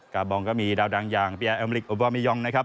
บองก็มีดาวดังอย่างเปียแอมลิกโอบามิยองนะครับ